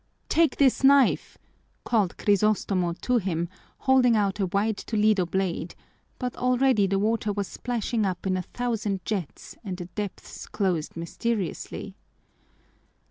"Take this knife!" called Crisostomo to him, holding out a wide Toledo blade, but already the water was splashing up in a thousand jets and the depths closed mysteriously.